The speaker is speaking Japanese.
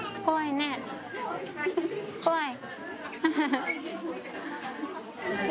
怖い？